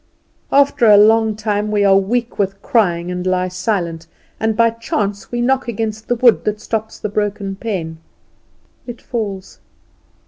After a long time we are weak with crying, and lie silent, and by chance we knock against the wood that stops the broken pane. It falls.